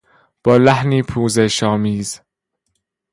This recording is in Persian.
با لحنی پوزش آمیز